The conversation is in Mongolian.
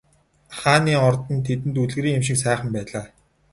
Хааны ордон тэдэнд үлгэрийн юм шиг сайхан байлаа.